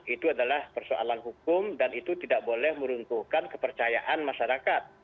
itu adalah persoalan hukum dan itu tidak boleh meruntuhkan kepercayaan masyarakat